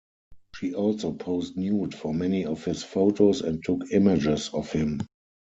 She also posed nude for many of his photos and took images of him.